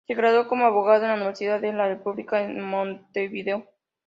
Se graduó como Abogado de la Universidad de la República en Montevideo.